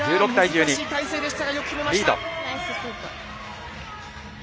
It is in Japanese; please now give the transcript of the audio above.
難しい体勢でしたがよく決めました！